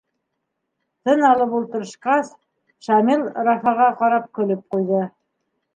Тын алып ултырышҡас, Шамил Рафаға ҡарап көлөп ҡуйҙы.